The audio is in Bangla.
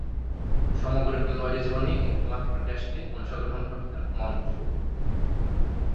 সমগ্র খেলোয়াড়ী জীবনে একটিমাত্র টেস্টে অংশগ্রহণ করেছেন মন সুদ।